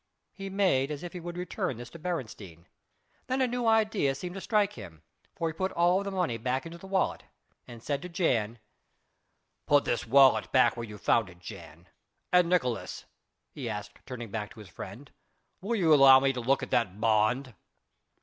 He made as if he would return this to Beresteyn, then a new idea seemed to strike him, for he put all the money back into the wallet and said to Jan: "Put this wallet back where you found it, Jan, and, Nicolaes," he added turning back to his friend, "will you allow me to look at that bond?"